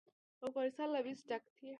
افغانستان له مس ډک دی.